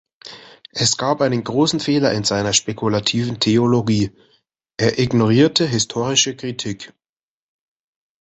Es gab einen großen Fehler in seiner spekulativen Theologie: Er ignorierte historische Kritik.